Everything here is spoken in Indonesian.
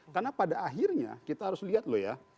karena pada akhirnya kita harus lihat loh ya